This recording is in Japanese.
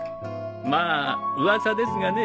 まあ噂ですがね。